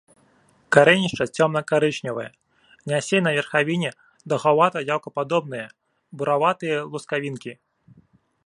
Карэнішча цёмна-карычневае, нясе на верхавіне даўгавата-яйкападобныя, бураватыя лускавінкі.